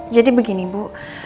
jadi begini bu